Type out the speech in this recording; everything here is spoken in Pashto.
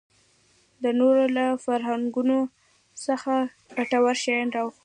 د نورو له فرهنګونو څخه ګټور شیان راواخلو.